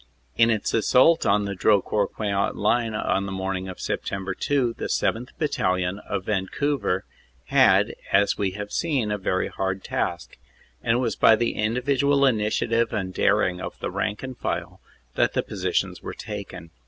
. In its assault on the Drocourt Queant line on the morning of Sept. 2, the 7th. Battalion, of Vancouver, had, as we have seen, a very hard task, and it was by the individual initiative and daring of the rank and file that the positions were taken.